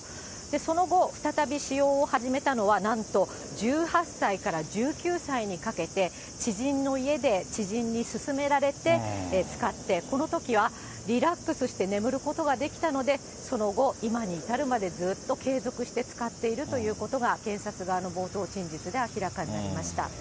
その後、再び使用を始めたのはなんと１８歳から１９歳にかけて、知人の家で、知人に勧められて使って、このときはリラックスして眠ることができたのでその後、今に至るまでずっと継続して使っているということが、検察側の冒頭陳述で明らかになりました。